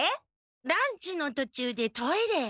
ランチのとちゅうでトイレへ。